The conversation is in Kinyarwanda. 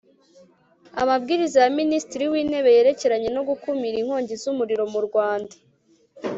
Amabwiriza ya Minisitiri w Intebe yerekeranye no gukumira inkongi z umuriro mu Rwanda